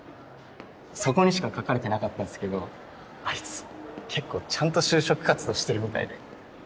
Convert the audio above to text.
そこにしか書かれてなかったんすけどあいつ結構ちゃんと就職活動してるみたいで。